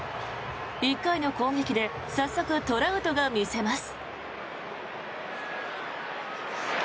１回の攻撃で早速トラウトが見せます。